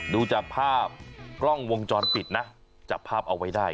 ดูจากภาพกล้องวงจรปิดนะจับภาพเอาไว้ได้